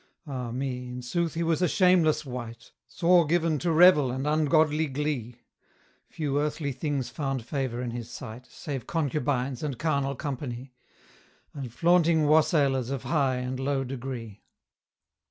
Ah, me! in sooth he was a shameless wight, Sore given to revel and ungodly glee; Few earthly things found favour in his sight Save concubines and carnal companie, And flaunting wassailers of high and low degree.